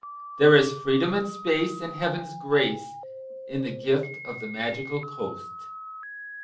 There is freedom and space and Heaven's grace In the gift of the Magical Coast.